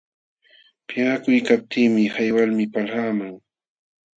Pinqakuykaptiimi hay walmi palaqman.